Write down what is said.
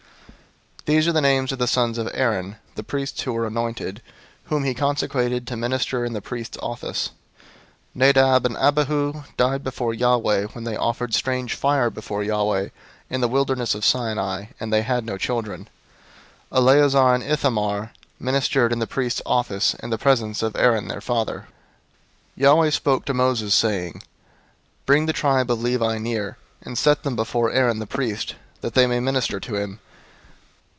003:003 These are the names of the sons of Aaron, the priests who were anointed, whom he consecrated to minister in the priest's office. 003:004 Nadab and Abihu died before Yahweh, when they offered strange fire before Yahweh, in the wilderness of Sinai, and they had no children. Eleazar and Ithamar ministered in the priest's office in the presence of Aaron their father. 003:005 Yahweh spoke to Moses, saying, 003:006 "Bring the tribe of Levi near, and set them before Aaron the priest, that they may minister to him.